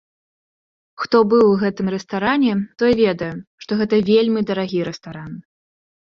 Хто быў у гэтым рэстаране, той ведае, што гэта вельмі дарагі рэстаран.